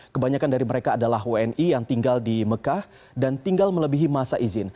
kebanyakan dari mereka adalah wni yang tinggal di mekah dan tinggal melebihi masa izin